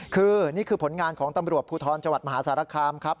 คือนี่คือผลงานของตำรวจภูทรจังหวัดมหาสารคามครับ